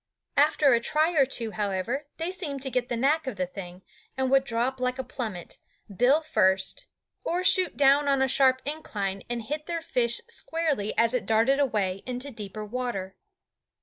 After a try or two, however, they seemed to get the knack of the thing and would drop like a plummet, bill first, or shoot down on a sharp incline and hit their fish squarely as it darted away into deeper water.